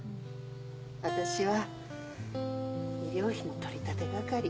私は医療費の取り立て係。